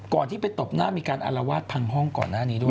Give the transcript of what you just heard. ที่ไปตบหน้ามีการอารวาสพังห้องก่อนหน้านี้ด้วย